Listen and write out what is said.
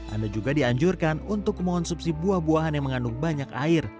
anda juga dianjurkan untuk mengonsumsi buah buahan yang mengandung banyak air